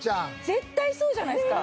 絶対そうじゃないですか？